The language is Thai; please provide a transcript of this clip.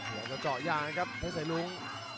ต้องเจาะยางครับเพชรสายรุ้ง